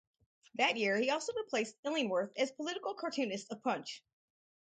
That year he also replaced Illingworth as political cartoonist of "Punch".